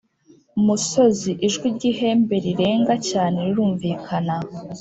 musozi Ijwi ry ihembe rirenga cyane rirumvikana